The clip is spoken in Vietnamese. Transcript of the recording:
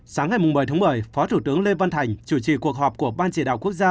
sáng ngày một mươi tháng một mươi phó thủ tướng lê văn thành chủ trì cuộc họp của ban chỉ đạo quốc gia